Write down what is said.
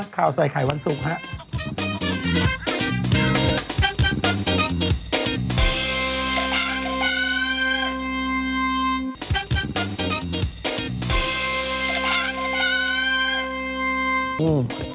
ข่าวใส่ไข่วันศุกร์ครับ